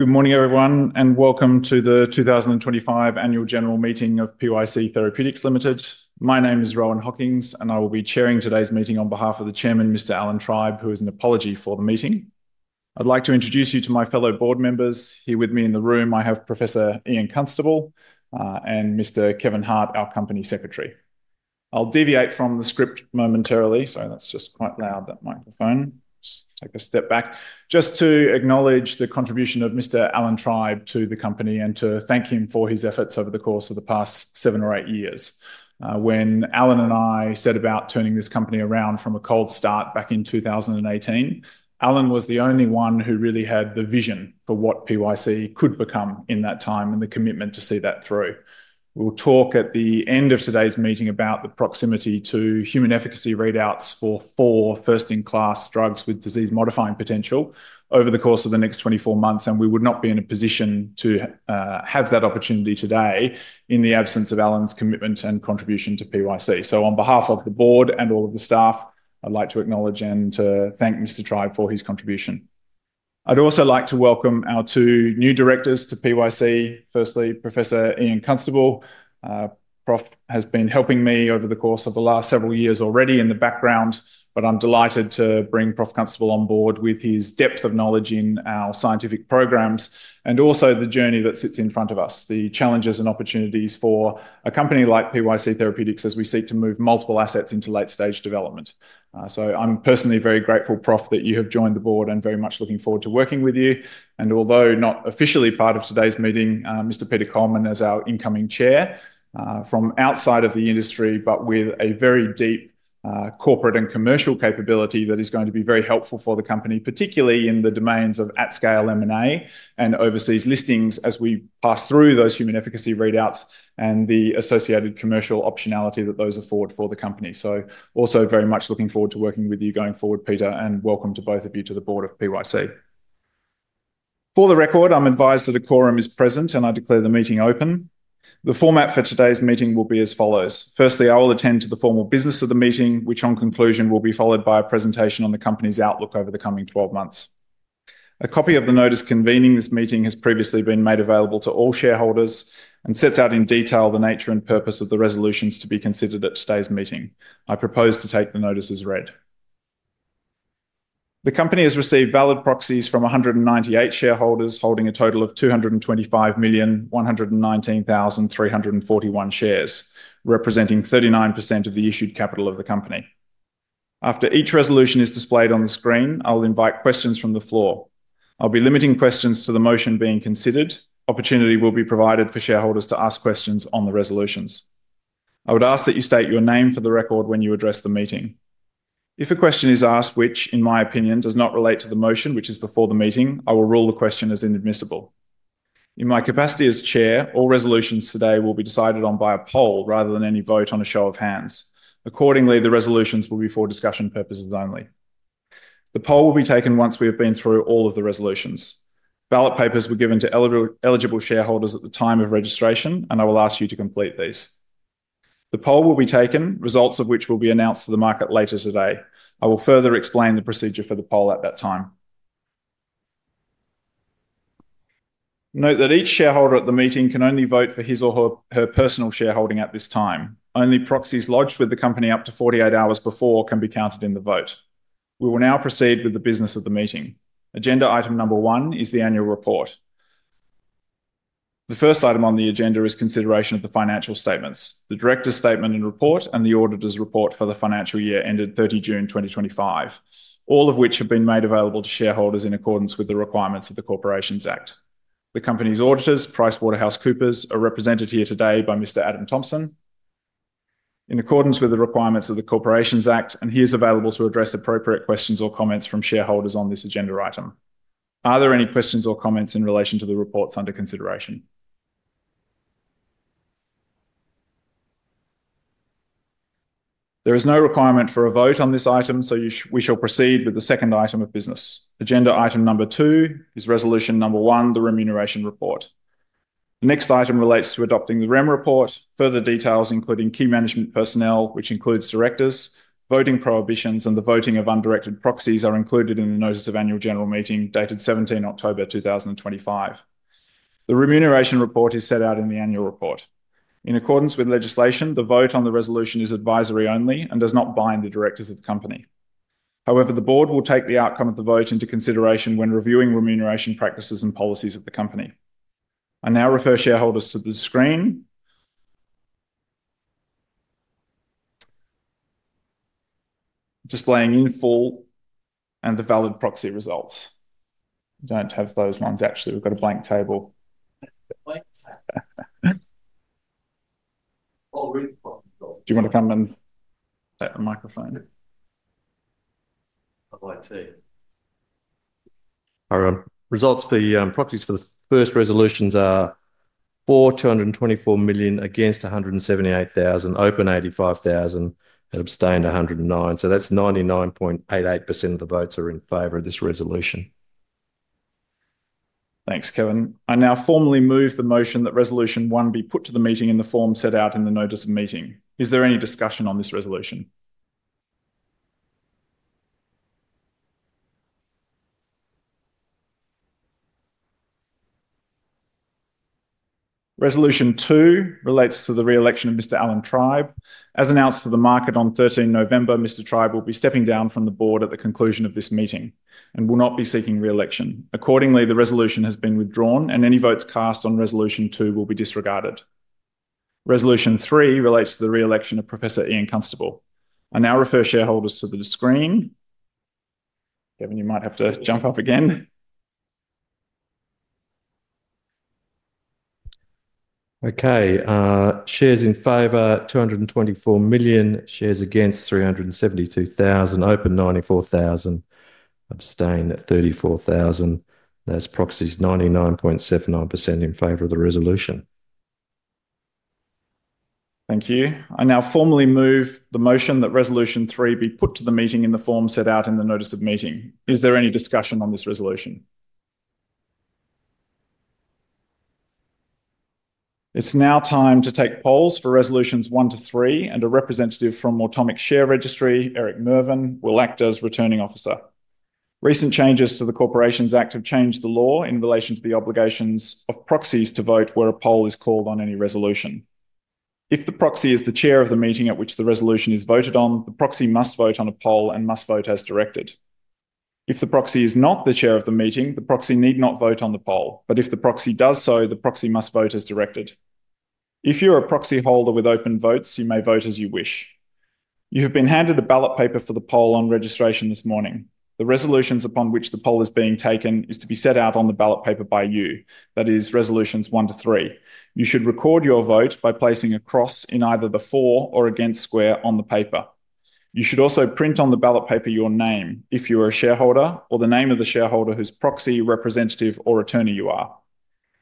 Good morning, everyone, and welcome to the 2025 Annual General Meeting of PYC Therapeutics Limited. My name is Rohan Hockings, and I will be chairing today's meeting on behalf of the Chairman, Mr. Alan Tribe, who is an apology for the meeting. I'd like to introduce you to my fellow board members. Here with me in the room, I have Professor Ian Constable and Mr. Kevin Hart, our Company Secretary. I'll deviate from the script momentarily. Sorry, that's just quite loud, that microphone. Take a step back just to acknowledge the contribution of Mr. Alan Tribe to the company and to thank him for his efforts over the course of the past seven or eight years. When Alan and I set about turning this company around from a cold start back in 2018, Alan was the only one who really had the vision for what PYC could become in that time and the commitment to see that through. We'll talk at the end of today's meeting about the proximity to human efficacy readouts for four first-in-class drugs with disease-modifying potential over the course of the next 24 months, and we would not be in a position to have that opportunity today in the absence of Alan's commitment and contribution to PYC. On behalf of the board and all of the staff, I'd like to acknowledge and to thank Mr. Tribe for his contribution. I'd also like to welcome our two new directors to PYC. Firstly, Professor Ian Constable. Prof has been helping me over the course of the last several years already in the background, but I'm delighted to bring Prof. Constable on board with his depth of knowledge in our scientific programs and also the journey that sits in front of us, the challenges and opportunities for a company like PYC Therapeutics as we seek to move multiple assets into late-stage development. I'm personally very grateful, Prof, that you have joined the board, and very much looking forward to working with you. Although not officially part of today's meeting, Mr. Peter Coleman is our incoming chair from outside of the industry, but with a very deep corporate and commercial capability that is going to be very helpful for the company, particularly in the domains of at-scale M&A and overseas listings as we pass through those human efficacy readouts and the associated commercial optionality that those afford for the company. Also, very much looking forward to working with you going forward, Peter, and welcome to both of you to the board of PYC. For the record, I'm advised that a quorum is present, and I declare the meeting open. The format for today's meeting will be as follows. Firstly, I will attend to the formal business of the meeting, which on conclusion will be followed by a presentation on the company's outlook over the coming 12 months. A copy of the notice convening this meeting has previously been made available to all shareholders and sets out in detail the nature and purpose of the resolutions to be considered at today's meeting. I propose to take the notice as read. The company has received valid proxies from 198 shareholders holding a total of 225,119,341 shares, representing 39% of the issued capital of the company. After each resolution is displayed on the screen, I'll invite questions from the floor. I'll be limiting questions to the motion being considered. Opportunity will be provided for shareholders to ask questions on the resolutions. I would ask that you state your name for the record when you address the meeting. If a question is asked which, in my opinion, does not relate to the motion which is before the meeting, I will rule the question as inadmissible. In my capacity as Chair, all resolutions today will be decided by a poll rather than any vote on a show of hands. Accordingly, the resolutions will be for discussion purposes only. The poll will be taken once we have been through all of the resolutions. Ballot papers were given to eligible shareholders at the time of registration, and I will ask you to complete these. The poll will be taken, results of which will be announced to the market later today. I will further explain the procedure for the poll at that time. Note that each shareholder at the meeting can only vote for his or her personal shareholding at this time. Only proxies lodged with the company up to 48 hours before can be counted in the vote. We will now proceed with the business of the meeting. Agenda item number one is the annual report. The first item on the agenda is consideration of the financial statements, the directors' statement and report, and the auditor's report for the financial year ended 30 June 2025, all of which have been made available to shareholders in accordance with the requirements of the Corporations Act. The company's auditors, PricewaterhouseCoopers, are represented here today by Mr. Adam Thompson. In accordance with the requirements of the Corporations Act, he is available to address appropriate questions or comments from shareholders on this agenda item. Are there any questions or comments in relation to the reports under consideration? There is no requirement for a vote on this item, so we shall proceed with the second item of business. Agenda item number two is resolution number one, the remuneration report. The next item relates to adopting the remuneration report. Further details, including key management personnel, which includes directors, voting prohibitions, and the voting of undirected proxies, are included in the notice of annual general meeting dated 17 October 2025. The remuneration report is set out in the annual report. In accordance with legislation, the vote on the resolution is advisory only and does not bind the directors of the company. However, the board will take the outcome of the vote into consideration when reviewing remuneration practices and policies of the company. I now refer shareholders to the screen displaying in full and the valid proxy results. Don't have those ones, actually. We've got a blank table. Do you want to come and set the microphone? IT. All right. Results for the proxies for the first resolutions are 4.224 million against 178,000, open 85,000, and abstained 109. So that's 99.88% of the votes are in favor of this resolution. Thanks, Kevin. I now formally move the motion that resolution one be put to the meeting in the form set out in the notice of meeting. Is there any discussion on this resolution? Resolution two relates to the reelection of Mr. Alan Tribe. As announced to the market on 13 November, Mr. Tribe will be stepping down from the board at the conclusion of this meeting and will not be seeking reelection. Accordingly, the resolution has been withdrawn, and any votes cast on resolution two will be disregarded. Resolution three relates to the reelection of Professor Ian Constable. I now refer shareholders to the screen. Kevin, you might have to jump up again. Okay. Shares in favour 224 million, shares against 372,000, open 94,000, abstained at 34,000. That is proxies 99.79% in favour of the resolution. Thank you. I now formally move the motion that resolution three be put to the meeting in the form set out in the notice of meeting. Is there any discussion on this resolution? It is now time to take polls for resolutions one to three, and a representative from Automic Share Registry, Eric Mervin, will act as returning officer. Recent changes to the Corporations Act have changed the law in relation to the obligations of proxies to vote where a poll is called on any resolution. If the proxy is the chair of the meeting at which the resolution is voted on, the proxy must vote on a poll and must vote as directed. If the proxy is not the chair of the meeting, the proxy need not vote on the poll, but if the proxy does so, the proxy must vote as directed. If you're a proxy holder with open votes, you may vote as you wish. You have been handed a ballot paper for the poll on registration this morning. The resolutions upon which the poll is being taken is to be set out on the ballot paper by you, that is, resolutions one to three. You should record your vote by placing a cross in either the for or against square on the paper. You should also print on the ballot paper your name, if you are a shareholder, or the name of the shareholder whose proxy, representative, or attorney you are.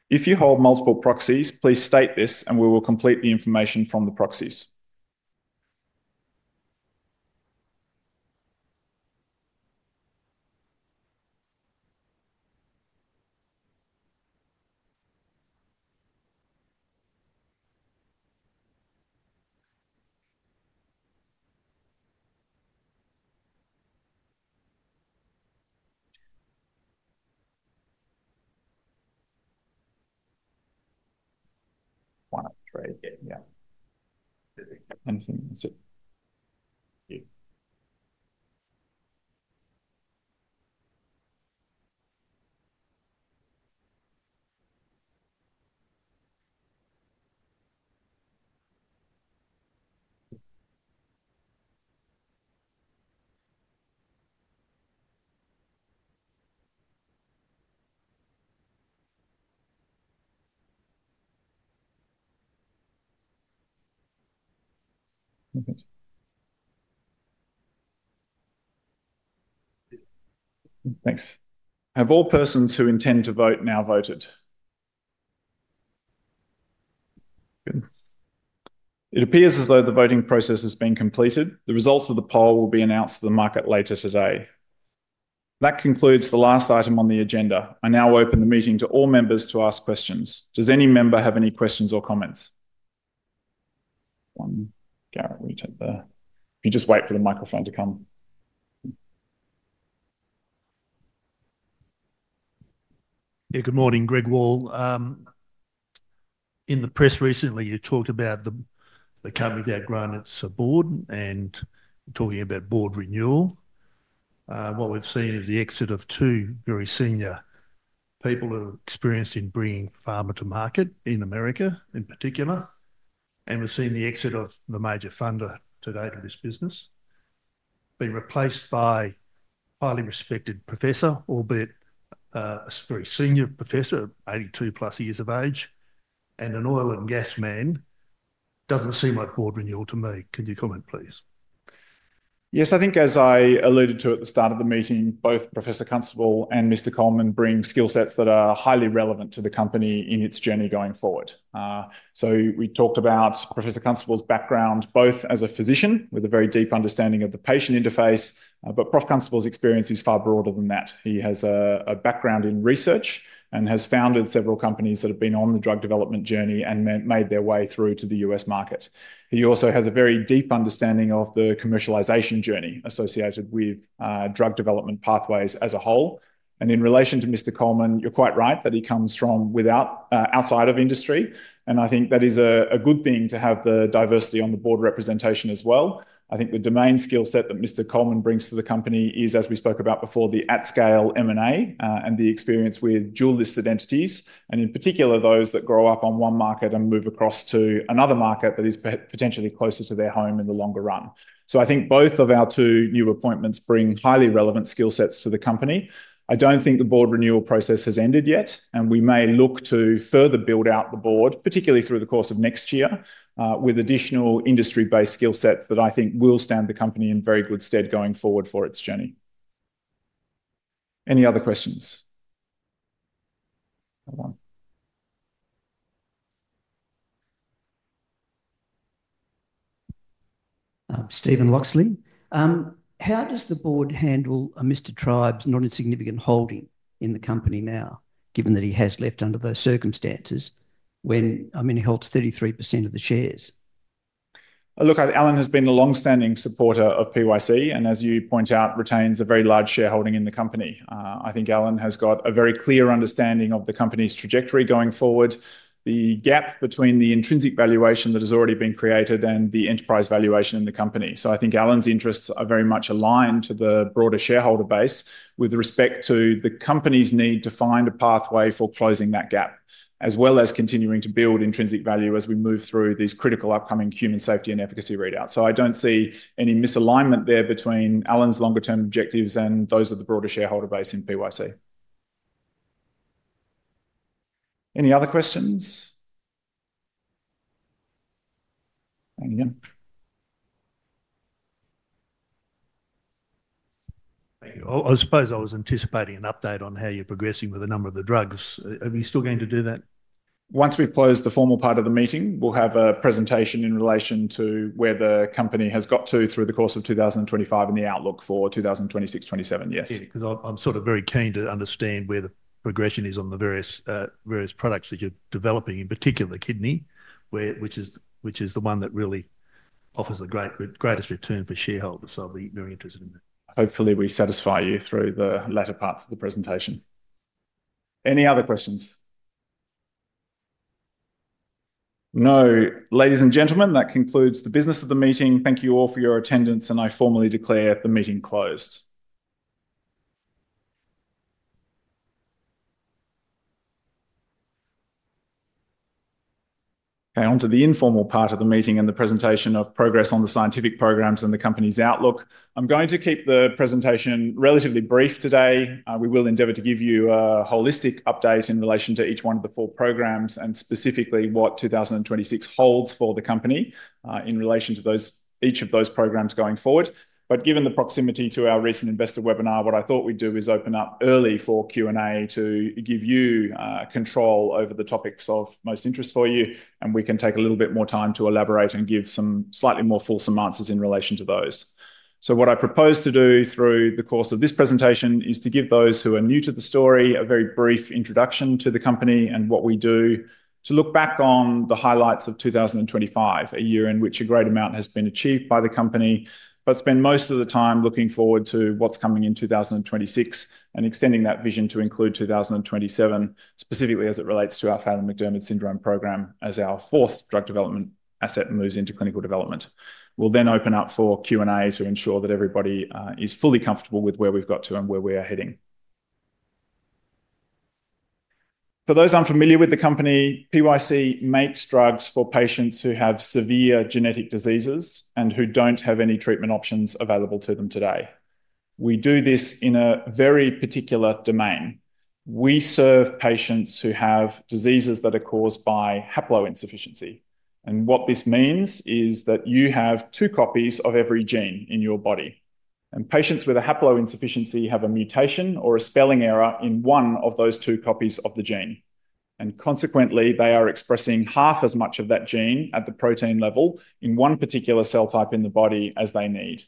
If you hold multiple proxies, please state this and we will complete the information from the proxies. One up three. Yeah. Thanks. Have all persons who intend to vote now voted? Good. It appears as though the voting process has been completed. The results of the poll will be announced to the market later today. That concludes the last item on the agenda. I now open the meeting to all members to ask questions. Does any member have any questions or comments? One, Greg, will you take the... If you just wait for the microphone to come. Yeah, good morning, Greg Wall. In the press recently, you talked about the company that granted support and talking about board renewal. What we've seen is the exit of two very senior people who are experienced in bringing pharma to market in America in particular. We've seen the exit of the major funder today to this business being replaced by a highly respected professor, albeit a very senior professor, 82 plus years of age, and an oil and gas man. Doesn't seem like board renewal to me. Can you comment, please? Yes, I think as I alluded to at the start of the meeting, both Professor Constable and Mr. Coleman bring skill sets that are highly relevant to the company in its journey going forward. We talked about Professor Constable's background, both as a physician with a very deep understanding of the patient interface, but Professor Constable's experience is far broader than that. He has a background in research and has founded several companies that have been on the drug development journey and made their way through to the U.S. market. He also has a very deep understanding of the commercialization journey associated with drug development pathways as a whole. In relation to Mr. Coleman, you're quite right that he comes from outside of industry. I think that is a good thing to have the diversity on the board representation as well. I think the domain skill set that Mr. Coleman brings to the company is, as we spoke about before, the at-scale M&A and the experience with dual-listed entities, and in particular, those that grow up on one market and move across to another market that is potentially closer to their home in the longer run. I think both of our two new appointments bring highly relevant skill sets to the company. I do not think the board renewal process has ended yet, and we may look to further build out the board, particularly through the course of next year, with additional industry-based skill sets that I think will stand the company in very good stead going forward for its journey. Any other questions? How does the board handle Mr. Tribe's not insignificant holding in the company now, given that he has left under those circumstances when he holds 33% of the shares? Look, Alan has been a long-standing supporter of PYC and, as you point out, retains a very large shareholding in the company. I think Alan has got a very clear understanding of the company's trajectory going forward, the gap between the intrinsic valuation that has already been created and the enterprise valuation in the company. I think Alan's interests are very much aligned to the broader shareholder base with respect to the company's need to find a pathway for closing that gap, as well as continuing to build intrinsic value as we move through these critical upcoming human safety and efficacy readouts. I do not see any misalignment there between Alan's longer-term objectives and those of the broader shareholder base in PYC. Any other questions? Anything? Thank you. I suppose I was anticipating an update on how you're progressing with the number of the drugs. Are we still going to do that? Once we've closed the formal part of the meeting, we'll have a presentation in relation to where the company has got to through the course of 2025 and the outlook for 2026, 2027, yes. Yeah, because I'm sort of very keen to understand where the progression is on the various products that you're developing, in particular, kidney, which is the one that really offers the greatest return for shareholders. I'll be very interested in that. Hopefully, we satisfy you through the latter parts of the presentation. Any other questions? No. Ladies and gentlemen, that concludes the business of the meeting. Thank you all for your attendance, and I formally declare the meeting closed. Okay, on to the informal part of the meeting and the presentation of progress on the scientific programs and the company's outlook. I'm going to keep the presentation relatively brief today. We will endeavour to give you a holistic update in relation to each one of the four programs and specifically what 2026 holds for the company in relation to each of those programs going forward. Given the proximity to our recent investor webinar, what I thought we'd do is open up early for Q&A to give you control over the topics of most interest for you, and we can take a little bit more time to elaborate and give some slightly more fulsome answers in relation to those. What I propose to do through the course of this presentation is to give those who are new to the story a very brief introduction to the company and what we do, to look back on the highlights of 2025, a year in which a great amount has been achieved by the company, but spend most of the time looking forward to what's coming in 2026 and extending that vision to include 2027, specifically as it relates to our Phelan-McDermid Syndrome program as our fourth drug development asset moves into clinical development. We'll then open up for Q&A to ensure that everybody is fully comfortable with where we've got to and where we are heading. For those unfamiliar with the company, PYC makes drugs for patients who have severe genetic diseases and who do not have any treatment options available to them today. We do this in a very particular domain. We serve patients who have diseases that are caused by haploinsufficiency. What this means is that you have two copies of every gene in your body. Patients with a haploinsufficiency have a mutation or a spelling error in one of those two copies of the gene. Consequently, they are expressing half as much of that gene at the protein level in one particular cell type in the body as they need.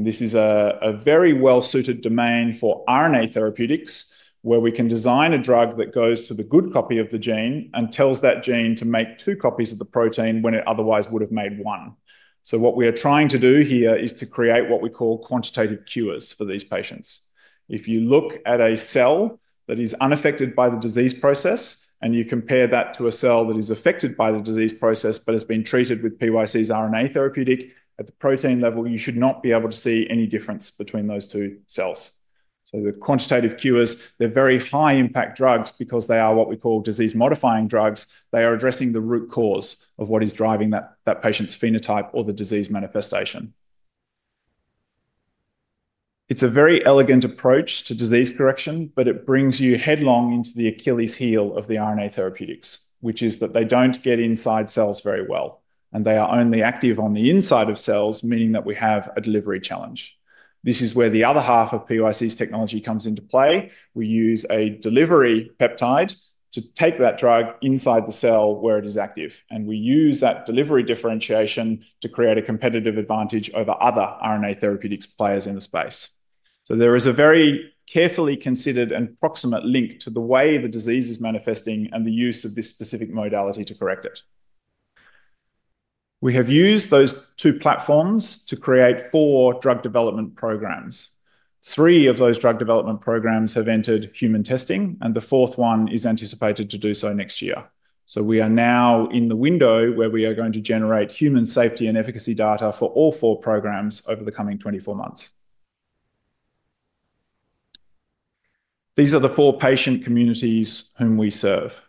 This is a very well-suited domain for RNA therapeutics, where we can design a drug that goes to the good copy of the gene and tells that gene to make two copies of the protein when it otherwise would have made one. What we are trying to do here is to create what we call quantitative cures for these patients. If you look at a cell that is unaffected by the disease process and you compare that to a cell that is affected by the disease process but has been treated with PYC's RNA therapeutic at the protein level, you should not be able to see any difference between those two cells. The quantitative cures, they're very high-impact drugs because they are what we call disease-modifying drugs. They are addressing the root cause of what is driving that patient's phenotype or the disease manifestation. It's a very elegant approach to disease correction, but it brings you headlong into the Achilles heel of the RNA therapeutics, which is that they don't get inside cells very well, and they are only active on the inside of cells, meaning that we have a delivery challenge. This is where the other half of PYC's technology comes into play. We use a delivery peptide to take that drug inside the cell where it is active, and we use that delivery differentiation to create a competitive advantage over other RNA therapeutics players in the space. There is a very carefully considered and proximate link to the way the disease is manifesting and the use of this specific modality to correct it. We have used those two platforms to create four drug development programs. Three of those drug development programs have entered human testing, and the fourth one is anticipated to do so next year. We are now in the window where we are going to generate human safety and efficacy data for all four programs over the coming 24 months. These are the four patient communities whom we serve.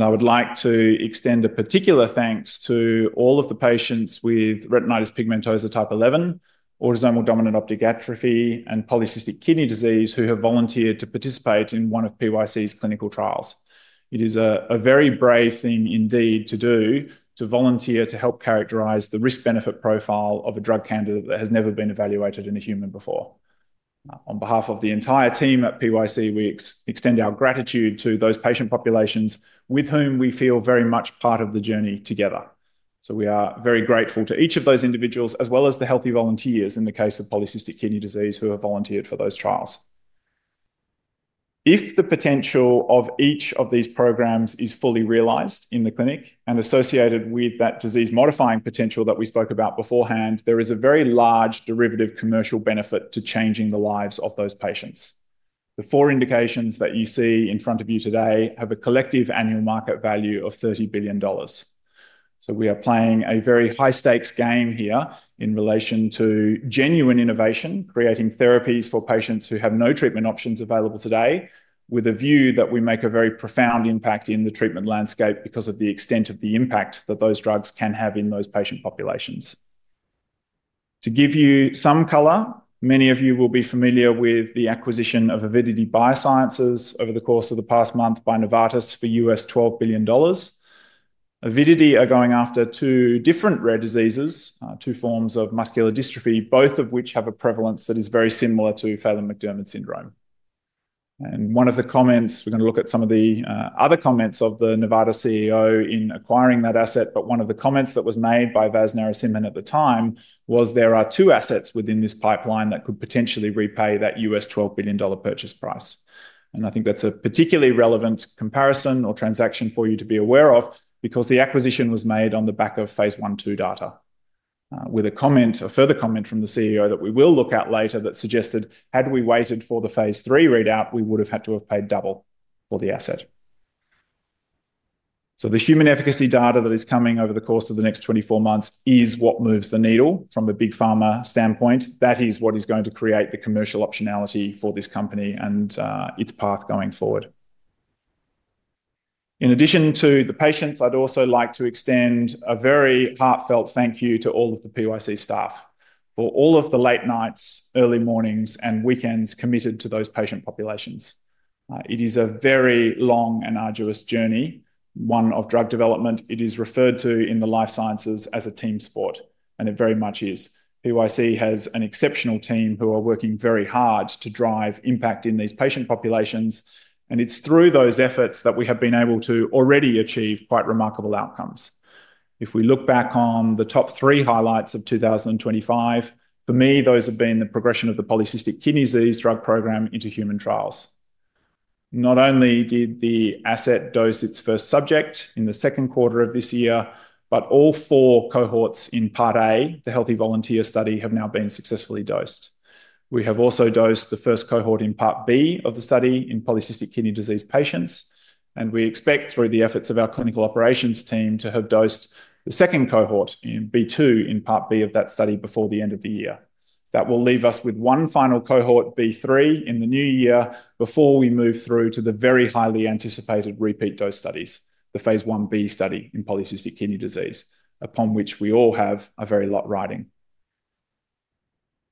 I would like to extend a particular thanks to all of the patients with retinitis pigmentosa type 11, autosomal dominant optic atrophy, and polycystic kidney disease who have volunteered to participate in one of PYC's clinical trials. It is a very brave thing indeed to do to volunteer to help characterize the risk-benefit profile of a drug candidate that has never been evaluated in a human before. On behalf of the entire team at PYC, we extend our gratitude to those patient populations with whom we feel very much part of the journey together. We are very grateful to each of those individuals as well as the healthy volunteers in the case of polycystic kidney disease who have volunteered for those trials. If the potential of each of these programs is fully realized in the clinic and associated with that disease-modifying potential that we spoke about beforehand, there is a very large derivative commercial benefit to changing the lives of those patients. The four indications that you see in front of you today have a collective annual market value of $30 billion. We are playing a very high-stakes game here in relation to genuine innovation, creating therapies for patients who have no treatment options available today, with a view that we make a very profound impact in the treatment landscape because of the extent of the impact that those drugs can have in those patient populations. To give you some color, many of you will be familiar with the acquisition of Avidity Biosciences over the course of the past month by Novartis for $12 billion. Avidity are going after two different rare diseases, two forms of muscular dystrophy, both of which have a prevalence that is very similar to Phelan-McDermid Syndrome. One of the comments, we're going to look at some of the other comments of the Novartis CEO in acquiring that asset, but one of the comments that was made by Vasant Narasimhan at the time was there are two assets within this pipeline that could potentially repay that $12 billion purchase price. I think that's a particularly relevant comparison or transaction for you to be aware of because the acquisition was made on the back of phase one two data, with a further comment from the CEO that we will look at later that suggested had we waited for the phase three readout, we would have had to have paid double for the asset. The human efficacy data that is coming over the course of the next 24 months is what moves the needle from a big pharma standpoint. That is what is going to create the commercial optionality for this company and its path going forward. In addition to the patients, I'd also like to extend a very heartfelt thank you to all of the PYC staff for all of the late nights, early mornings, and weekends committed to those patient populations. It is a very long and arduous journey, one of drug development. It is referred to in the life sciences as a team sport, and it very much is. PYC has an exceptional team who are working very hard to drive impact in these patient populations, and it's through those efforts that we have been able to already achieve quite remarkable outcomes. If we look back on the top three highlights of 2025, for me, those have been the progression of the polycystic kidney disease drug program into human trials. Not only did the asset dose its first subject in the second quarter of this year, but all four cohorts in part A, the healthy volunteer study, have now been successfully dosed. We have also dosed the first cohort in part B of the study in polycystic kidney disease patients, and we expect through the efforts of our clinical operations team to have dosed the second cohort in B2 in part B of that study before the end of the year. That will leave us with one final cohort, B3, in the new year before we move through to the very highly anticipated repeat dose studies, the phase one B study in polycystic kidney disease, upon which we all have a very lot riding.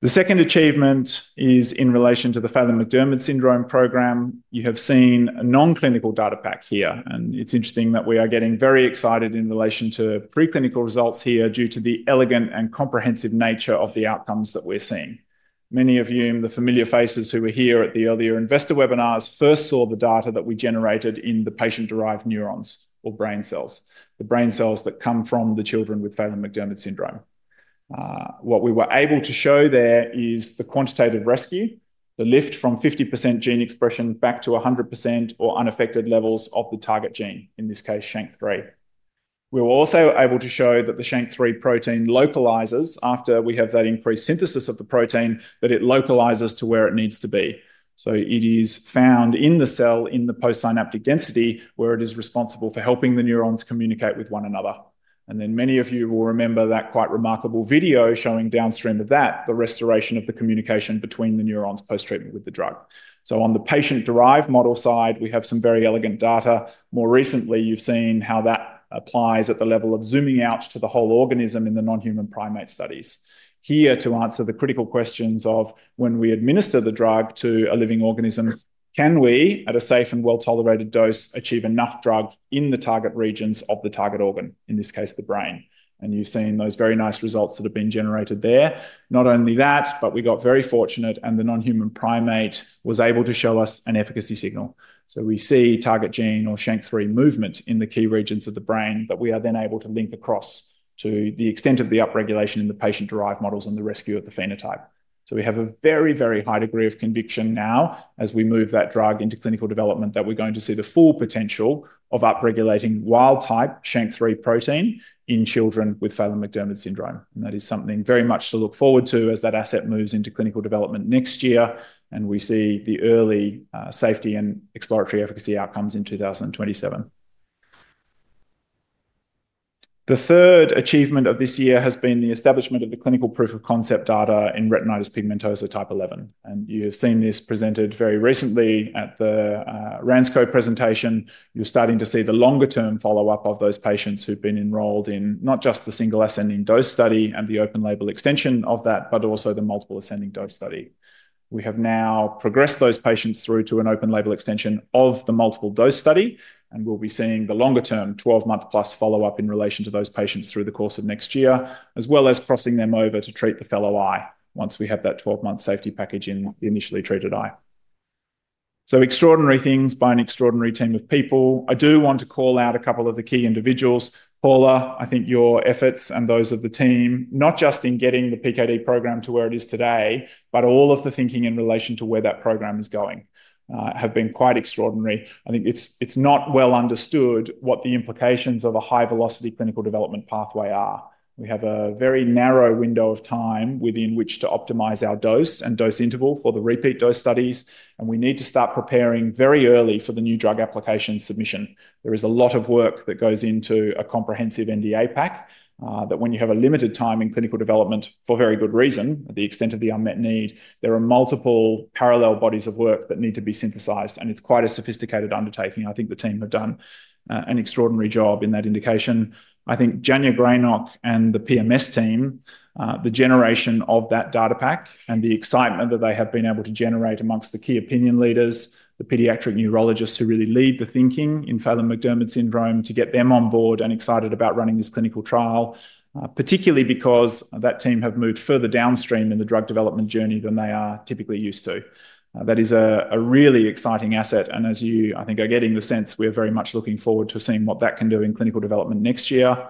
The second achievement is in relation to the Phelan-McDermid Syndrome program. You have seen a non-clinical data pack here, and it's interesting that we are getting very excited in relation to preclinical results here due to the elegant and comprehensive nature of the outcomes that we're seeing. Many of you, the familiar faces who were here at the earlier investor webinars, first saw the data that we generated in the patient-derived neurons or brain cells, the brain cells that come from the children with Phelan-McDermid Syndrome. What we were able to show there is the quantitative rescue, the lift from 50% gene expression back to 100% or unaffected levels of the target gene, in this case, SHANK3. We were also able to show that the SHANK3 protein localizes after we have that increased synthesis of the protein, that it localizes to where it needs to be. It is found in the cell in the post-synaptic density where it is responsible for helping the neurons communicate with one another. Many of you will remember that quite remarkable video showing downstream of that, the restoration of the communication between the neurons post-treatment with the drug. On the patient-derived model side, we have some very elegant data. More recently, you've seen how that applies at the level of zooming out to the whole organism in the non-human primate studies. Here to answer the critical questions of when we administer the drug to a living organism, can we, at a safe and well-tolerated dose, achieve enough drug in the target regions of the target organ, in this case, the brain? You've seen those very nice results that have been generated there. Not only that, but we got very fortunate, and the non-human primate was able to show us an efficacy signal. We see target gene or SHANK3 movement in the key regions of the brain that we are then able to link across to the extent of the upregulation in the patient-derived models and the rescue of the phenotype. We have a very, very high degree of conviction now as we move that drug into clinical development that we're going to see the full potential of upregulating wild-type SHANK3 protein in children with Phelan-McDermid Syndrome. That is something very much to look forward to as that asset moves into clinical development next year, and we see the early safety and exploratory efficacy outcomes in 2027. The third achievement of this year has been the establishment of the clinical proof of concept data in retinitis pigmentosa type 11. You have seen this presented very recently at the RANSCO presentation. You're starting to see the longer-term follow-up of those patients who've been enrolled in not just the single ascending dose study and the open label extension of that, but also the multiple ascending dose study. We have now progressed those patients through to an open label extension of the multiple dose study, and we'll be seeing the longer-term 12-month-plus follow-up in relation to those patients through the course of next year, as well as crossing them over to treat the fellow eye once we have that 12-month safety package in the initially treated eye. Extraordinary things by an extraordinary team of people. I do want to call out a couple of the key individuals. Paula, I think your efforts and those of the team, not just in getting the PKD program to where it is today, but all of the thinking in relation to where that program is going, have been quite extraordinary. I think it's not well understood what the implications of a high-velocity clinical development pathway are. We have a very narrow window of time within which to optimize our dose and dose interval for the repeat dose studies, and we need to start preparing very early for the new drug application submission. There is a lot of work that goes into a comprehensive NDA pack that when you have a limited time in clinical development for very good reason, the extent of the unmet need, there are multiple parallel bodies of work that need to be synthesized, and it's quite a sophisticated undertaking. I think the team have done an extraordinary job in that indication. I think Janya Grainok and the PMS team, the generation of that data pack and the excitement that they have been able to generate amongst the key opinion leaders, the pediatric neurologists who really lead the thinking in Phelan-McDermid Syndrome to get them on board and excited about running this clinical trial, particularly because that team have moved further downstream in the drug development journey than they are typically used to. That is a really exciting asset, and as you, I think, are getting the sense, we are very much looking forward to seeing what that can do in clinical development next year.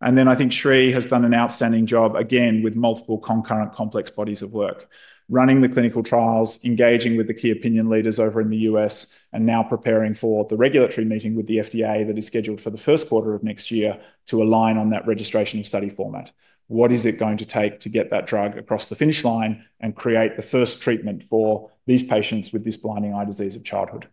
I think Sri has done an outstanding job again with multiple concurrent complex bodies of work, running the clinical trials, engaging with the key opinion leaders over in the U.S., and now preparing for the regulatory meeting with the FDA that is scheduled for the first quarter of next year to align on that registration of study format. What is it going to take to get that drug across the finish line and create the first treatment for these patients with this blinding eye disease of childhood?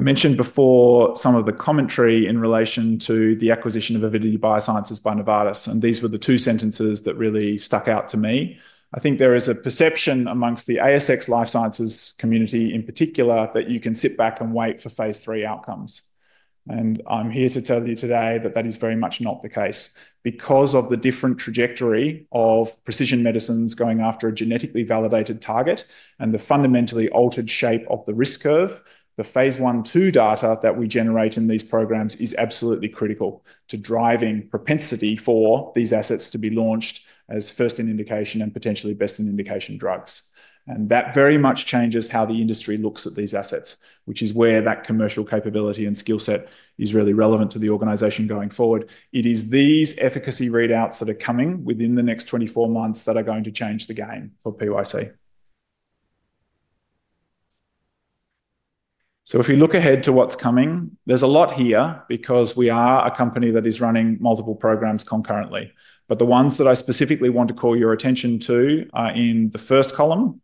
I mentioned before some of the commentary in relation to the acquisition of Avidity Biosciences by Novartis, and these were the two sentences that really stuck out to me. I think there is a perception amongst the ASX Life Sciences community in particular that you can sit back and wait for phase three outcomes. I am here to tell you today that that is very much not the case because of the different trajectory of precision medicines going after a genetically validated target and the fundamentally altered shape of the risk curve. The phase one two data that we generate in these programs is absolutely critical to driving propensity for these assets to be launched as first in indication and potentially best in indication drugs. That very much changes how the industry looks at these assets, which is where that commercial capability and skill set is really relevant to the organization going forward. It is these efficacy readouts that are coming within the next 24 months that are going to change the game for PYC. If we look ahead to what is coming, there is a lot here because we are a company that is running multiple programs concurrently. The ones that I specifically want to call your attention to are in the first column.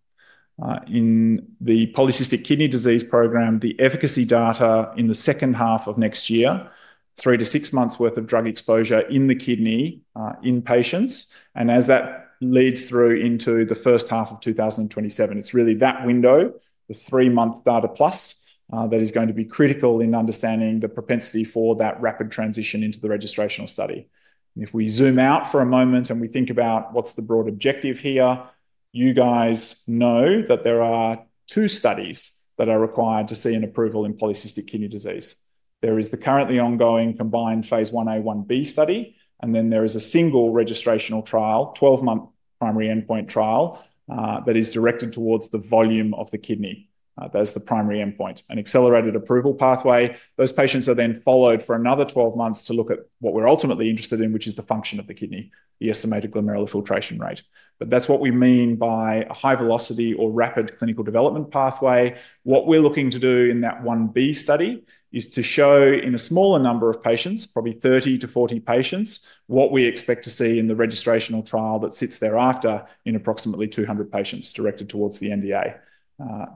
In the polycystic kidney disease program, the efficacy data in the second half of next year, three to six months' worth of drug exposure in the kidney in patients. As that leads through into the first half of 2027, it is really that window, the three-month data plus, that is going to be critical in understanding the propensity for that rapid transition into the registrational study. If we zoom out for a moment and we think about what is the broad objective here, you guys know that there are two studies that are required to see an approval in polycystic kidney disease. There is the currently ongoing combined phase I, I B study, and then there is a single registrational trial, 12-month primary endpoint trial that is directed towards the volume of the kidney. That's the primary endpoint, an accelerated approval pathway. Those patients are then followed for another 12 months to look at what we're ultimately interested in, which is the function of the kidney, the estimated glomerular filtration rate. That is what we mean by a high-velocity or rapid clinical development pathway. What we're looking to do in that I B study is to show in a smaller number of patients, probably 30-40 patients, what we expect to see in the registrational trial that sits thereafter in approximately 200 patients directed towards the NDA,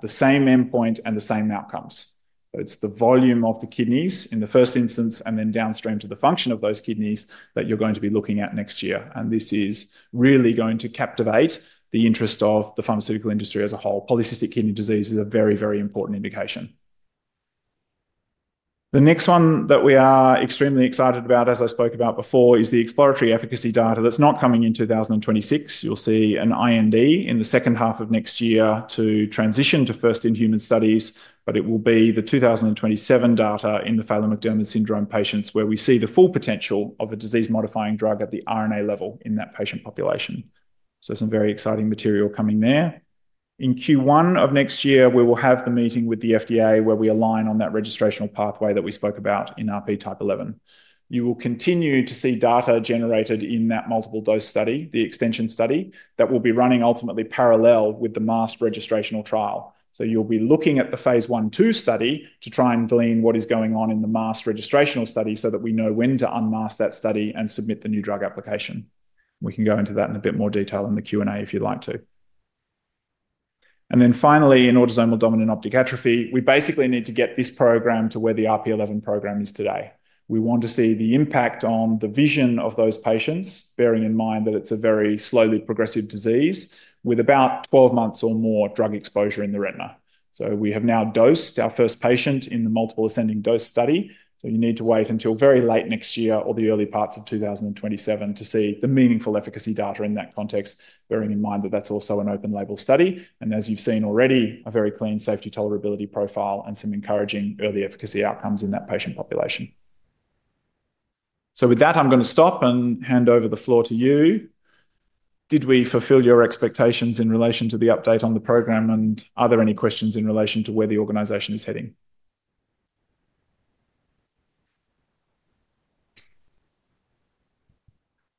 the same endpoint and the same outcomes. It's the volume of the kidneys in the first instance and then downstream to the function of those kidneys that you're going to be looking at next year. This is really going to captivate the interest of the pharmaceutical industry as a whole. Polycystic kidney disease is a very, very important indication. The next one that we are extremely excited about, as I spoke about before, is the exploratory efficacy data that's not coming in 2026. You'll see an IND in the second half of next year to transition to first in human studies, but it will be the 2027 data in the Phelan-McDermid Syndrome patients where we see the full potential of a disease-modifying drug at the RNA level in that patient population. Some very exciting material coming there. In Q1 of next year, we will have the meeting with the FDA where we align on that registrational pathway that we spoke about in our RP11. You will continue to see data generated in that multiple dose study, the extension study that will be running ultimately parallel with the mass registrational trial. You will be looking at the phase one two study to try and glean what is going on in the mass registrational study so that we know when to unmask that study and submit the new drug application. We can go into that in a bit more detail in the Q&A if you'd like to. Finally, in autosomal dominant optic atrophy, we basically need to get this program to where the RP11 program is today. We want to see the impact on the vision of those patients, bearing in mind that it's a very slowly progressive disease with about 12 months or more drug exposure in the retina. We have now dosed our first patient in the multiple ascending dose study. You need to wait until very late next year or the early parts of 2027 to see the meaningful efficacy data in that context, bearing in mind that that's also an open label study. As you've seen already, a very clean safety tolerability profile and some encouraging early efficacy outcomes in that patient population. With that, I'm going to stop and hand over the floor to you. Did we fulfill your expectations in relation to the update on the program? Are there any questions in relation to where the organization is heading?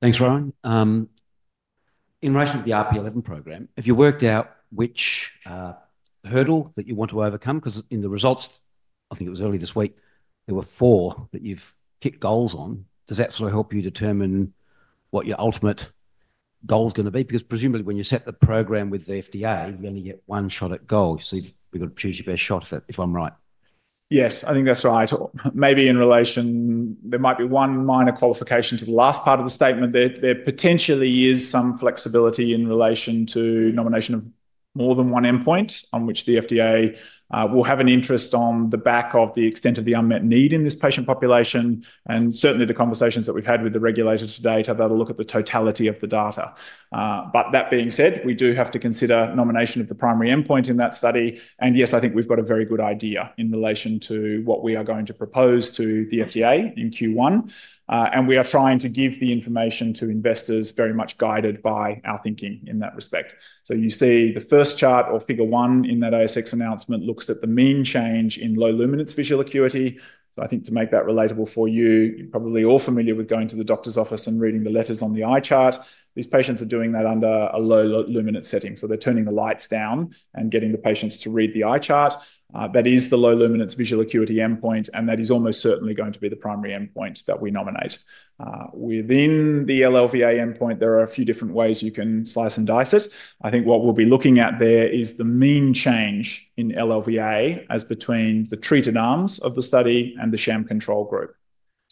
Thanks, Rohan. In relation to the RP11 program, have you worked out which hurdle that you want to overcome? Because in the results, I think it was early this week, there were four that you've kicked goals on. Does that sort of help you determine what your ultimate goal is going to be? Because presumably when you set the program with the FDA, you only get one shot at goal. So you've got to choose your best shot, if I'm right. Yes, I think that's right. Maybe in relation, there might be one minor qualification to the last part of the statement. There potentially is some flexibility in relation to nomination of more than one endpoint on which the FDA will have an interest on the back of the extent of the unmet need in this patient population. Certainly the conversations that we've had with the regulators today to have a look at the totality of the data. That being said, we do have to consider nomination of the primary endpoint in that study. Yes, I think we've got a very good idea in relation to what we are going to propose to the FDA in Q1. We are trying to give the information to investors very much guided by our thinking in that respect. You see the first chart or figure one in that ASX announcement looks at the mean change in low luminance visual acuity. I think to make that relatable for you, you're probably all familiar with going to the doctor's office and reading the letters on the eye chart. These patients are doing that under a low luminance setting. They are turning the lights down and getting the patients to read the eye chart. That is the low luminance visual acuity endpoint, and that is almost certainly going to be the primary endpoint that we nominate. Within the LLVA endpoint, there are a few different ways you can slice and dice it. I think what we will be looking at there is the mean change in LLVA as between the treated arms of the study and the sham control group.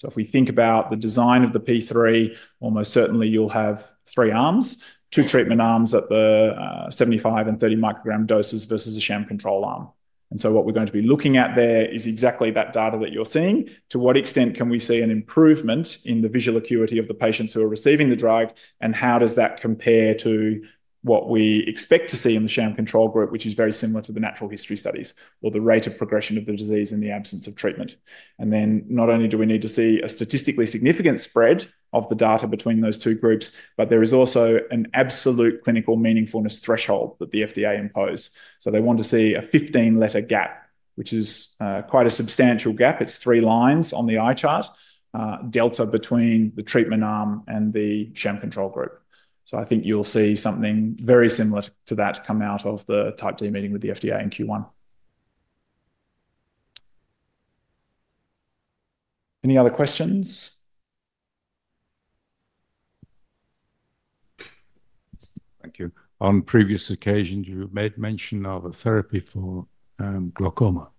If we think about the design of the P3, almost certainly you will have three arms, two treatment arms at the 75 and 30 microgram doses versus a sham control arm. What we are going to be looking at there is exactly that data that you are seeing. To what extent can we see an improvement in the visual acuity of the patients who are receiving the drug, and how does that compare to what we expect to see in the sham control group, which is very similar to the natural history studies or the rate of progression of the disease in the absence of treatment? Not only do we need to see a statistically significant spread of the data between those two groups, but there is also an absolute clinical meaningfulness threshold that the FDA imposed. They want to see a 15-letter gap, which is quite a substantial gap. It is three lines on the eye chart, delta between the treatment arm and the sham control group. I think you will see something very similar to that come out of the type D meeting with the FDA in Q1. Any other questions? Thank you. On previous occasions, you made mention of a therapy for glaucoma.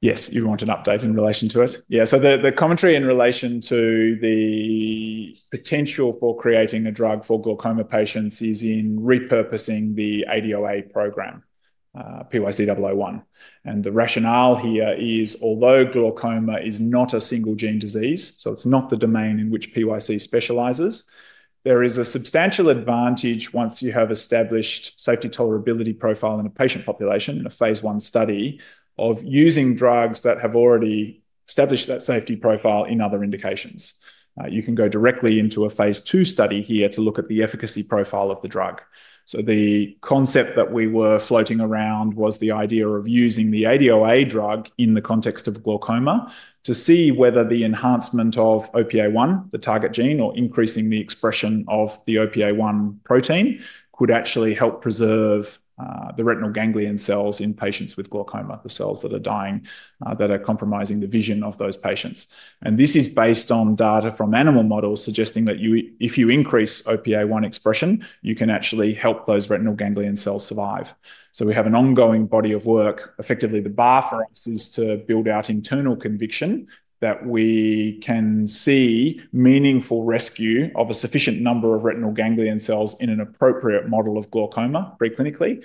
Yes, you want an update in relation to it. Yeah. The commentary in relation to the potential for creating a drug for glaucoma patients is in repurposing the ADOA program, PYC-001. The rationale here is, although glaucoma is not a single-gene disease, so it's not the domain in which PYC specializes, there is a substantial advantage once you have established safety tolerability profile in a patient population in a phase I study of using drugs that have already established that safety profile in other indications. You can go directly into a phase II study here to look at the efficacy profile of the drug. The concept that we were floating around was the idea of using the ADOA drug in the context of glaucoma to see whether the enhancement of OPA1, the target gene, or increasing the expression of the OPA1 protein could actually help preserve the retinal ganglion cells in patients with glaucoma, the cells that are dying that are compromising the vision of those patients. This is based on data from animal models suggesting that if you increase OPA1 expression, you can actually help those retinal ganglion cells survive. We have an ongoing body of work. Effectively, the bar for us is to build out internal conviction that we can see meaningful rescue of a sufficient number of retinal ganglion cells in an appropriate model of glaucoma preclinically.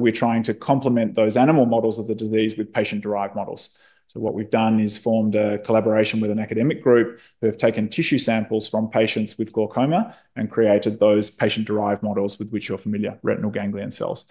We are trying to complement those animal models of the disease with patient-derived models. What we have done is formed a collaboration with an academic group who have taken tissue samples from patients with glaucoma and created those patient-derived models with which you are familiar, retinal ganglion cells.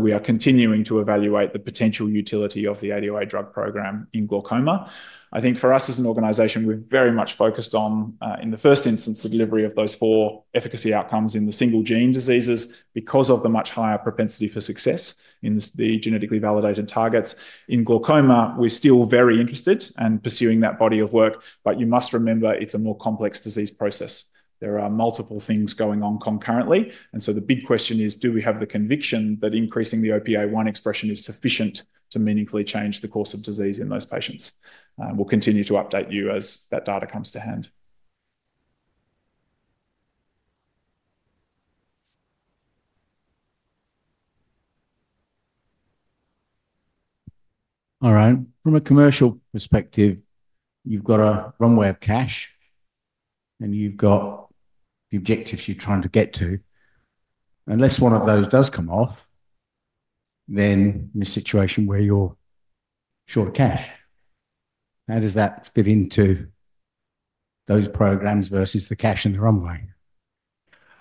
We are continuing to evaluate the potential utility of the ADOA drug program in glaucoma. I think for us as an organization, we are very much focused on, in the first instance, the delivery of those four efficacy outcomes in the single-gene diseases because of the much higher propensity for success in the genetically validated targets. In glaucoma, we are still very interested and pursuing that body of work, but you must remember it is a more complex disease process. There are multiple things going on concurrently. The big question is, do we have the conviction that increasing the OPA1 expression is sufficient to meaningfully change the course of disease in those patients? We'll continue to update you as that data comes to hand. All right. From a commercial perspective, you've got a runway of cash, and you've got the objectives you're trying to get to. Unless one of those does come off, then you're in a situation where you're short of cash. How does that fit into those programs versus the cash in the runway?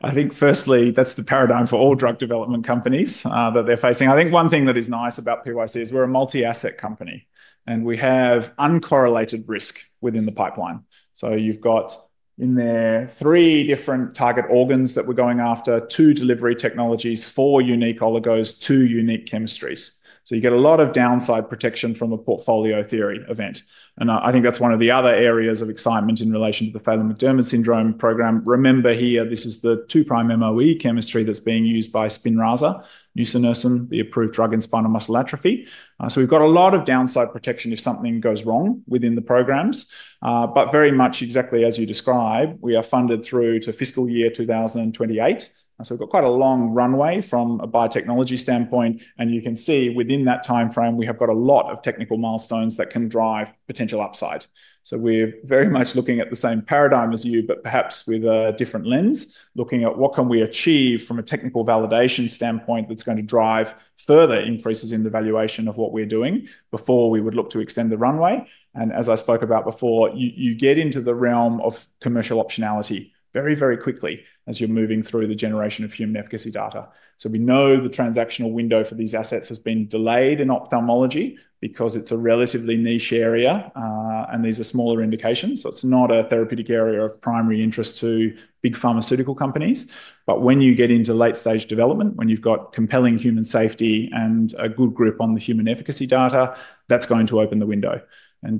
I think firstly, that's the paradigm for all drug development companies that they're facing. I think one thing that is nice about PYC is we're a multi-asset company, and we have uncorrelated risk within the pipeline. So you've got in there three different target organs that we're going after, two delivery technologies, four unique oligos, two unique chemistries. You get a lot of downside protection from a portfolio theory event. I think that's one of the other areas of excitement in relation to the Phelan-McDermid Syndrome program. Remember here, this is the two-prong MOE chemistry that's being used by Spinraza, Nusinersen, the approved drug in spinal muscle atrophy. We've got a lot of downside protection if something goes wrong within the programs. Very much exactly as you describe, we are funded through to fiscal year 2028. We've got quite a long runway from a biotechnology standpoint. You can see within that timeframe, we have got a lot of technical milestones that can drive potential upside. We're very much looking at the same paradigm as you, but perhaps with a different lens, looking at what can we achieve from a technical validation standpoint that's going to drive further increases in the valuation of what we're doing before we would look to extend the runway. As I spoke about before, you get into the realm of commercial optionality very, very quickly as you're moving through the generation of human efficacy data. We know the transactional window for these assets has been delayed in ophthalmology because it's a relatively niche area, and these are smaller indications. It is not a therapeutic area of primary interest to big pharmaceutical companies. When you get into late-stage development, when you've got compelling human safety and a good grip on the human efficacy data, that's going to open the window.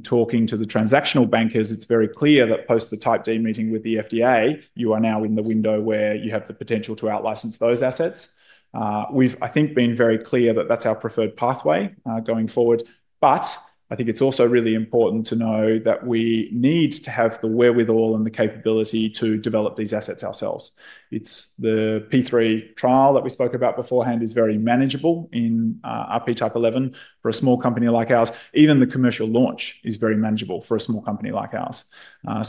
Talking to the transactional bankers, it's very clear that post the type D meeting with the FDA, you are now in the window where you have the potential to outlicense those assets. We've, I think, been very clear that that's our preferred pathway going forward. I think it's also really important to know that we need to have the wherewithal and the capability to develop these assets ourselves. The phase III trial that we spoke about beforehand is very manageable in RP11 for a small company like ours. Even the commercial launch is very manageable for a small company like ours.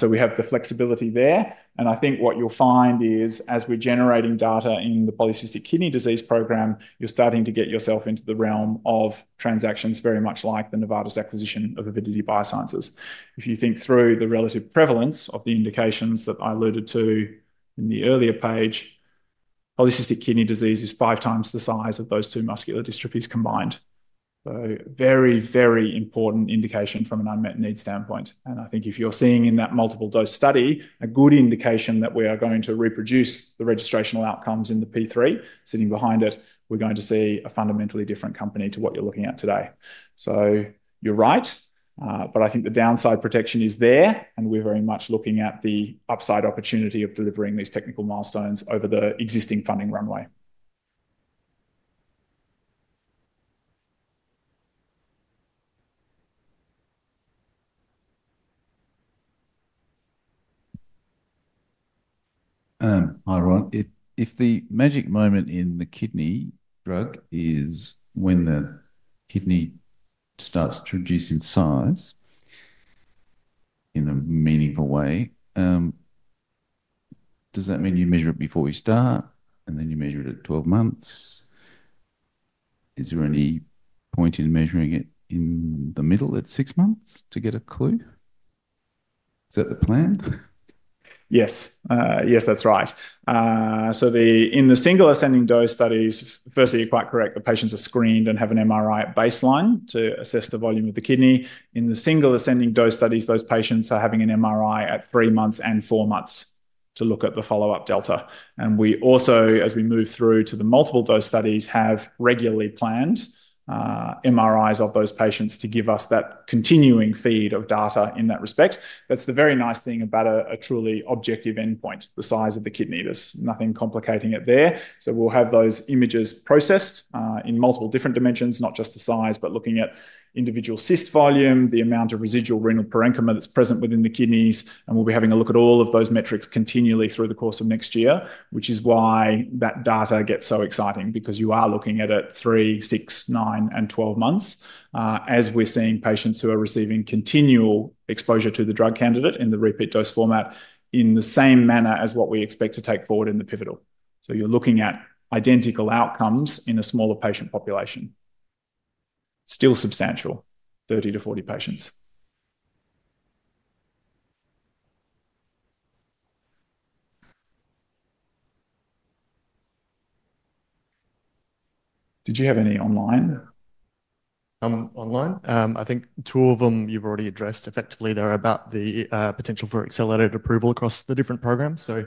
We have the flexibility there. I think what you'll find is, as we're generating data in the polycystic kidney disease program, you're starting to get yourself into the realm of transactions very much like the Novartis acquisition of Avidity Biosciences. If you think through the relative prevalence of the indications that I alluded to in the earlier page, polycystic kidney disease is five times the size of those two muscular dystrophies combined. Very, very important indication from an unmet need standpoint. I think if you're seeing in that multiple dose study a good indication that we are going to reproduce the registrational outcomes in the P3, sitting behind it, we're going to see a fundamentally different company to what you're looking at today. You're right, but I think the downside protection is there, and we're very much looking at the upside opportunity of delivering these technical milestones over the existing funding runway. Hi, Rohan. If the magic moment in the kidney drug is when the kidney starts to reduce in size in a meaningful way, does that mean you measure it before you start and then you measure it at 12 months? Is there any point in measuring it in the middle at six months to get a clue? Is that the plan? Yes. Yes, that's right. In the single ascending dose studies, firstly, you're quite correct. The patients are screened and have an MRI at baseline to assess the volume of the kidney. In the single ascending dose studies, those patients are having an MRI at three months and four months to look at the follow-up delta. We also, as we move through to the multiple dose studies, have regularly planned MRIs of those patients to give us that continuing feed of data in that respect. That's the very nice thing about a truly objective endpoint, the size of the kidney. There's nothing complicating it there. We'll have those images processed in multiple different dimensions, not just the size, but looking at individual cyst volume, the amount of residual renal parenchyma that's present within the kidneys. We will be having a look at all of those metrics continually through the course of next year, which is why that data gets so exciting, because you are looking at it at three, six, nine, and twelve months as we are seeing patients who are receiving continual exposure to the drug candidate in the repeat dose format in the same manner as what we expect to take forward in the pivotal. You are looking at identical outcomes in a smaller patient population. Still substantial, 30-40 patients. Did you have any online? Online. I think two of them you have already addressed. Effectively, they are about the potential for accelerated approval across the different programs. I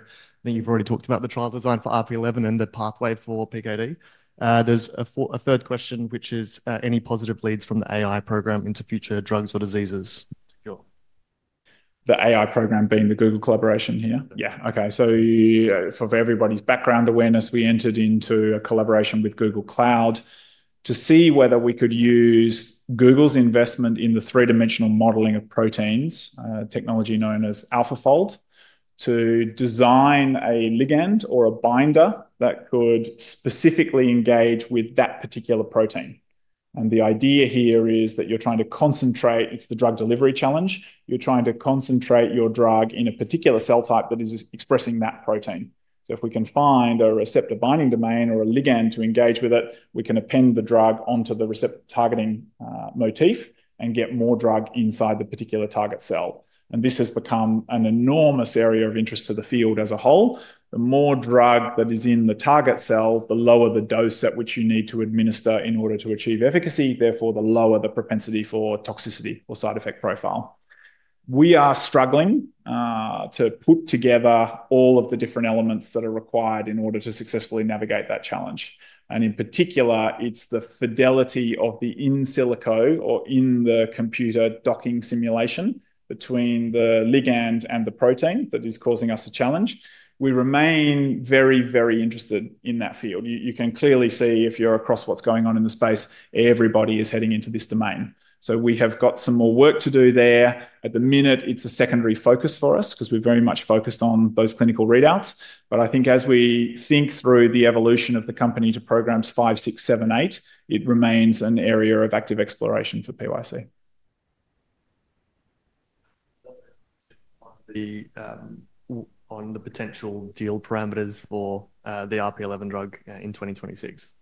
think you have already talked about the trial design for RP11 and the pathway for PKD. There is a third question, which is any positive leads from the AI program into future drugs or diseases? Sure. The AI program being the Google collaboration here? Yeah. Okay. For everybody's background awareness, we entered into a collaboration with Google Cloud to see whether we could use Google's investment in the three-dimensional modeling of proteins, technology known as AlphaFold, to design a ligand or a binder that could specifically engage with that particular protein. The idea here is that you're trying to concentrate—it's the drug delivery challenge—you're trying to concentrate your drug in a particular cell type that is expressing that protein. If we can find a receptor binding domain or a ligand to engage with it, we can append the drug onto the receptor targeting motif and get more drug inside the particular target cell. This has become an enormous area of interest to the field as a whole. The more drug that is in the target cell, the lower the dose at which you need to administer in order to achieve efficacy. Therefore, the lower the propensity for toxicity or side effect profile. We are struggling to put together all of the different elements that are required in order to successfully navigate that challenge. In particular, it is the fidelity of the in-silico or in-the-computer docking simulation between the ligand and the protein that is causing us a challenge. We remain very, very interested in that field. You can clearly see if you are across what is going on in the space, everybody is heading into this domain. We have got some more work to do there. At the minute, it is a secondary focus for us because we are very much focused on those clinical readouts. I think as we think through the evolution of the company to programs five, six, seven, eight, it remains an area of active exploration for PYC. On the potential deal parameters for the RP11 drug in 2026?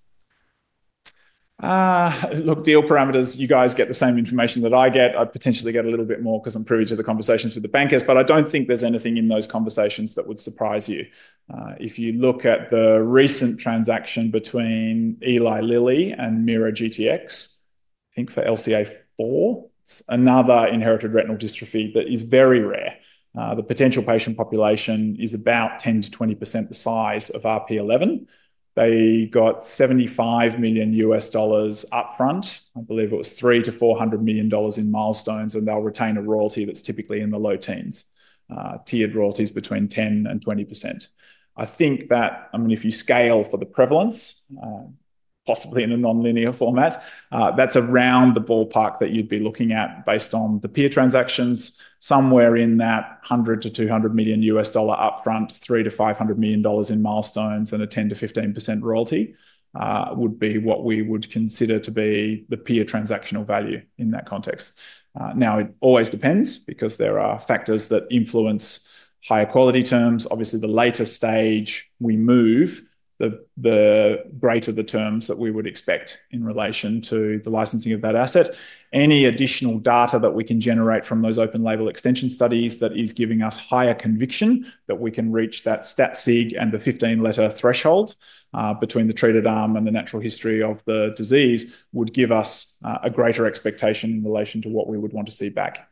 Look, deal parameters, you guys get the same information that I get. I potentially get a little bit more because I'm privy to the conversations with the bankers, but I don't think there's anything in those conversations that would surprise you. If you look at the recent transaction between Eli Lilly and MeiraGTx, I think for LCA4, it's another inherited retinal dystrophy that is very rare. The potential patient population is about 10%-20% the size of RP11. They got $75 million upfront. I believe it was $300 million-$400 million in milestones, and they'll retain a royalty that's typically in the low teens, tiered royalties between 10% and 20%. I think that, I mean, if you scale for the prevalence, possibly in a non-linear format, that's around the ballpark that you'd be looking at based on the peer transactions, somewhere in that $100 million-$200 million US dollar upfront, $300 million-$500 million in milestones, and a 10%-15% royalty would be what we would consider to be the peer transactional value in that context. Now, it always depends because there are factors that influence higher quality terms. Obviously, the later stage we move, the greater the terms that we would expect in relation to the licensing of that asset. Any additional data that we can generate from those open-label extension studies that is giving us higher conviction that we can reach that stat sig and the 15-letter threshold between the treated arm and the natural history of the disease would give us a greater expectation in relation to what we would want to see back.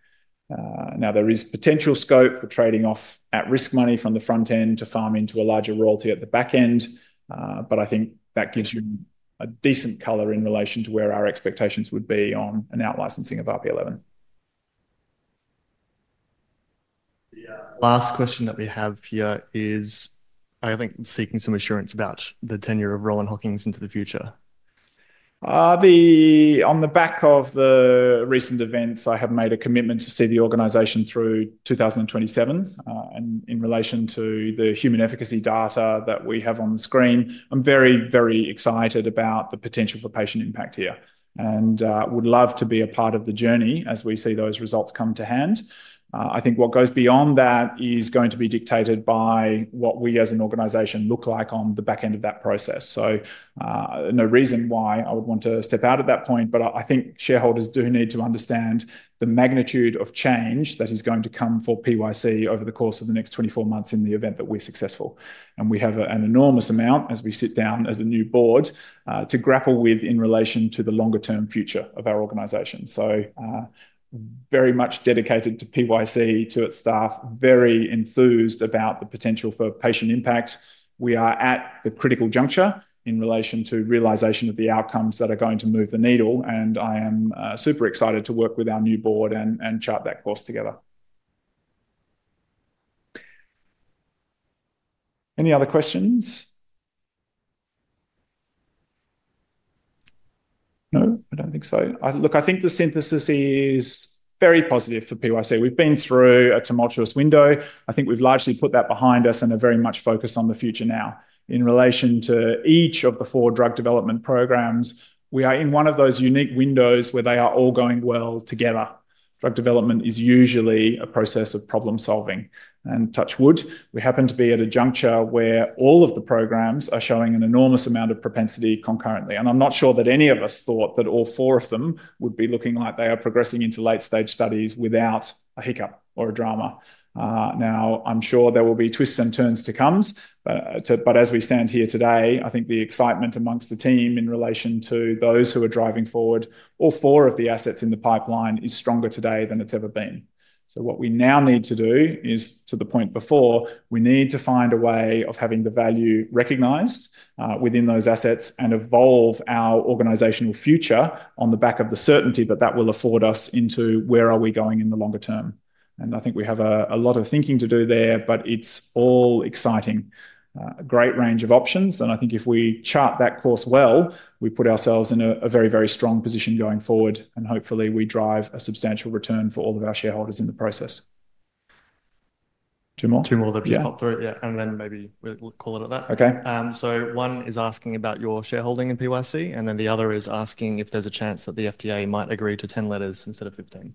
Now, there is potential scope for trading off at-risk money from the front end to farm into a larger royalty at the back end, but I think that gives you a decent color in relation to where our expectations would be on an outlicensing of RP11. The last question that we have here is, I think, seeking some assurance about the tenure of Rohan Hockings into the future. On the back of the recent events, I have made a commitment to see the organization through 2027. In relation to the human efficacy data that we have on the screen, I'm very, very excited about the potential for patient impact here and would love to be a part of the journey as we see those results come to hand. I think what goes beyond that is going to be dictated by what we as an organization look like on the back end of that process. There is no reason why I would want to step out at that point, but I think shareholders do need to understand the magnitude of change that is going to come for PYC over the course of the next 24 months in the event that we're successful. We have an enormous amount as we sit down as a new board to grapple with in relation to the longer-term future of our organization. Very much dedicated to PYC, to its staff, very enthused about the potential for patient impact. We are at the critical juncture in relation to realization of the outcomes that are going to move the needle. I am super excited to work with our new board and chart that course together. Any other questions? No, I do not think so. Look, I think the synthesis is very positive for PYC. We have been through a tumultuous window. I think we have largely put that behind us and are very much focused on the future now. In relation to each of the four drug development programs, we are in one of those unique windows where they are all going well together. Drug development is usually a process of problem-solving. Touch wood, we happen to be at a juncture where all of the programs are showing an enormous amount of propensity concurrently. I am not sure that any of us thought that all four of them would be looking like they are progressing into late-stage studies without a hiccup or a drama. I am sure there will be twists and turns to come. As we stand here today, I think the excitement amongst the team in relation to those who are driving forward all four of the assets in the pipeline is stronger today than it has ever been. What we now need to do is, to the point before, we need to find a way of having the value recognized within those assets and evolve our organizational future on the back of the certainty that that will afford us into where we are going in the longer term. I think we have a lot of thinking to do there, but it is all exciting. A great range of options. I think if we chart that course well, we put ourselves in a very, very strong position going forward, and hopefully we drive a substantial return for all of our shareholders in the process. Two more? Two more that just popped through. Yeah. Maybe we'll call it at that. Okay. One is asking about your shareholding in PYC, and the other is asking if there's a chance that the FDA might agree to 10 letters instead of 15.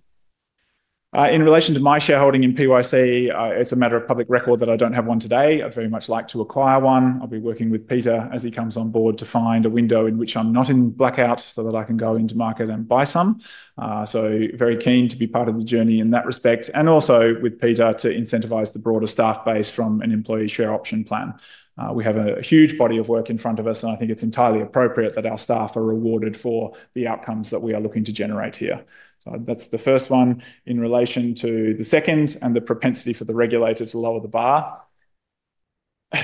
In relation to my shareholding in PYC, it's a matter of public record that I don't have one today. I'd very much like to acquire one. I'll be working with Peter as he comes on board to find a window in which I'm not in blackout so that I can go into market and buy some. Very keen to be part of the journey in that respect. Also with Peter to incentivize the broader staff base from an employee share option plan. We have a huge body of work in front of us, and I think it is entirely appropriate that our staff are rewarded for the outcomes that we are looking to generate here. That is the first one. In relation to the second and the propensity for the regulator to lower the bar,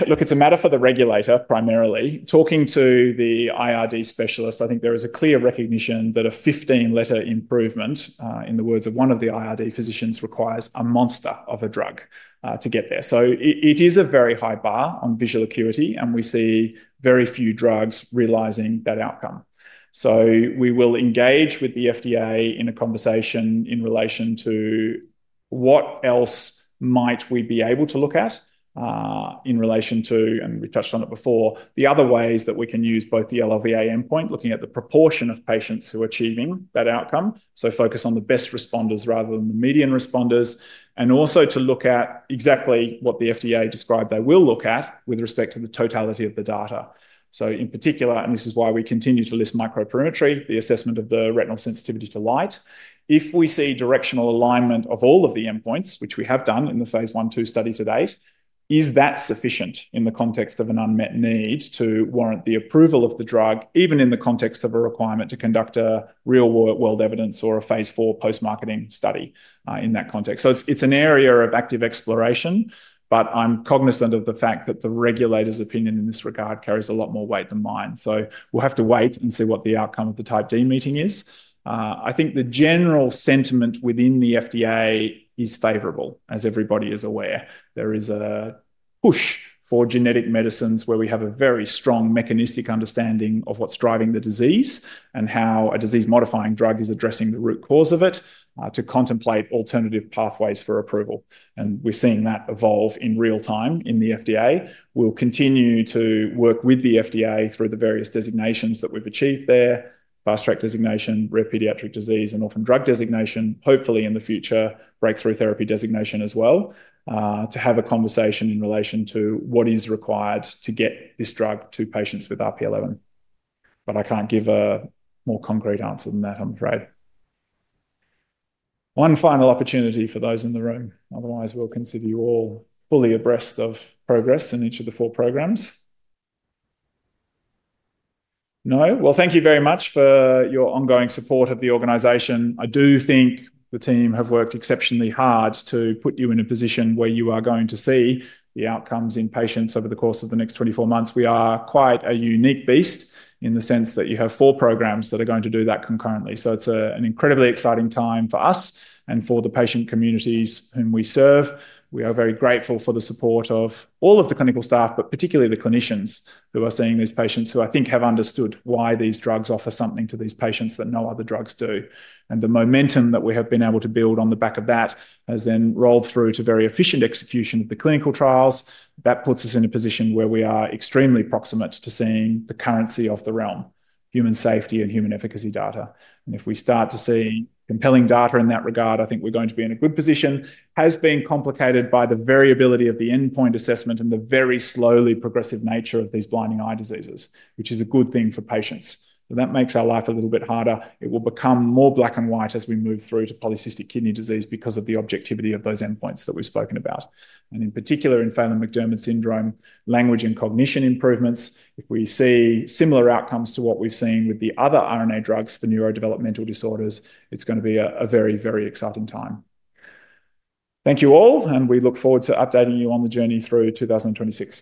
look, it is a matter for the regulator primarily. Talking to the IRD specialists, I think there is a clear recognition that a 15-letter improvement, in the words of one of the IRD physicians, requires a monster of a drug to get there. It is a very high bar on visual acuity, and we see very few drugs realizing that outcome. We will engage with the FDA in a conversation in relation to what else might we be able to look at in relation to, and we touched on it before, the other ways that we can use both the LLVA endpoint, looking at the proportion of patients who are achieving that outcome. Focus on the best responders rather than the median responders. Also to look at exactly what the FDA described they will look at with respect to the totality of the data. In particular, and this is why we continue to list microperimetry, the assessment of the retinal sensitivity to light. If we see directional alignment of all of the endpoints, which we have done in the phase one, two study to date, is that sufficient in the context of an unmet need to warrant the approval of the drug, even in the context of a requirement to conduct a real-world evidence or a phase four post-marketing study in that context? It is an area of active exploration, but I'm cognizant of the fact that the regulator's opinion in this regard carries a lot more weight than mine. We will have to wait and see what the outcome of the type D meeting is. I think the general sentiment within the FDA is favorable, as everybody is aware. There is a push for genetic medicines where we have a very strong mechanistic understanding of what is driving the disease and how a disease-modifying drug is addressing the root cause of it to contemplate alternative pathways for approval. We are seeing that evolve in real time in the FDA. We will continue to work with the FDA through the various designations that we have achieved there: fast-track designation, rare pediatric disease, and orphan drug designation, hopefully in the future, breakthrough therapy designation as well, to have a conversation in relation to what is required to get this drug to patients with RP11. I cannot give a more concrete answer than that, I am afraid. One final opportunity for those in the room. Otherwise, we will consider you all fully abreast of progress in each of the four programs. No? Thank you very much for your ongoing support of the organization. I do think the team have worked exceptionally hard to put you in a position where you are going to see the outcomes in patients over the course of the next 24 months. We are quite a unique beast in the sense that you have four programs that are going to do that concurrently. It is an incredibly exciting time for us and for the patient communities whom we serve. We are very grateful for the support of all of the clinical staff, particularly the clinicians who are seeing these patients who I think have understood why these drugs offer something to these patients that no other drugs do. The momentum that we have been able to build on the back of that has then rolled through to very efficient execution of the clinical trials. That puts us in a position where we are extremely proximate to seeing the currency of the realm, human safety and human efficacy data. If we start to see compelling data in that regard, I think we're going to be in a good position. It has been complicated by the variability of the endpoint assessment and the very slowly progressive nature of these blinding eye diseases, which is a good thing for patients. That makes our life a little bit harder. It will become more black and white as we move through to polycystic kidney disease because of the objectivity of those endpoints that we've spoken about. In particular, in Phelan-McDermott syndrome, language and cognition improvements, if we see similar outcomes to what we've seen with the other RNA drugs for neurodevelopmental disorders, it's going to be a very, very exciting time. Thank you all, and we look forward to updating you on the journey through 2026.